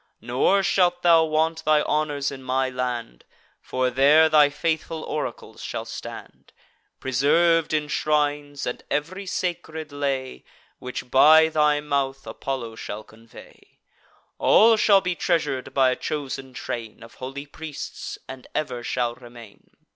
Nor shalt thou want thy honours in my land; For there thy faithful oracles shall stand, Preserv'd in shrines; and ev'ry sacred lay, Which, by thy mouth, Apollo shall convey: All shall be treasur'd by a chosen train Of holy priests, and ever shall remain.